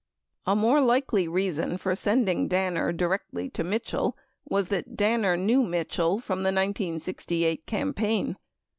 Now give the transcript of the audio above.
A more likely reason for sending Danner directly to Mitchell was that Danner knew Mitchell from the 1968 campaign.